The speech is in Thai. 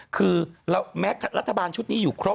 คือแม้รัฐบาลชุดนี้อยู่ครบ